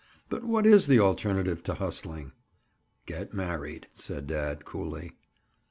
"But what is the alternative to hustling?" "Get married," said dad coolly.